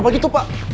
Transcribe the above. kenapa gitu pak